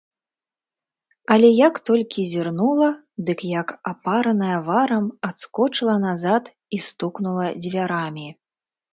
Але, як толькі зірнула, дык, як апараная варам, адскочыла назад і стукнула дзвярамі.